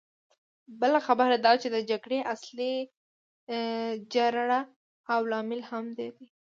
بله خبره دا چې د جګړې اصلي جرړه او لامل همدی دی.